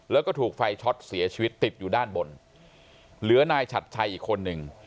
แล้วก็ถูกไฟช็อตเสียชีวิตติดอยู่ด้านบนเหลือนายฉัดชัยอีกคนนึง